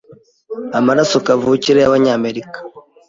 Amaraso kavukire y'Abanyamerika